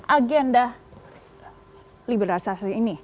agenda liberalisasi ini